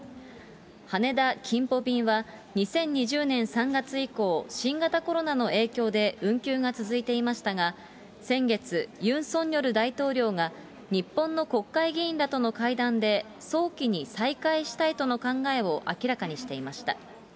羽田・キンポ便は２０２０年３月以降、新型コロナの影響で運休が続いていましたが、先月、ユン・ソンニョル大統領が、日本の国会議員らとの会談で、早期に再開したいとの考えを明らかにしていました。